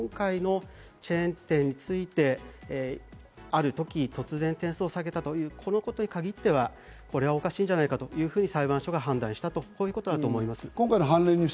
チェーン店について、ある時突然、点数を下げたということに限っては、これはおかしいんじゃないかというふうに裁判所が判断したということなんだと思います。